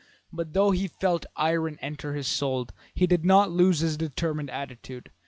But though he felt the iron enter his soul, he did not lose his determined attitude.